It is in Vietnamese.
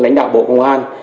lãnh đạo bộ công an